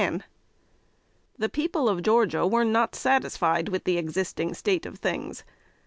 [Sidenote: 1810.] The people of Georgia were not satisfied with the existing state of things.